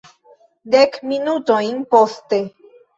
Dek minutojn poste.